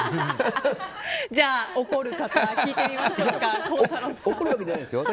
じゃあ怒る方聞いてみましょう。